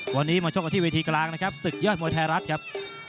วันนี้มาชกกันที่เวทีกลางนะครับศึกยอดมวยไทยรัฐครับ